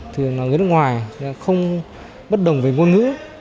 thường là người nước ngoài không bất đồng với ngôn ngữ